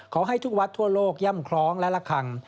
ขอให้ทุกวัดทั่วโลกย่ำคล้องและละคัง